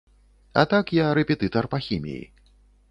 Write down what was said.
А так я рэпетытар па хіміі.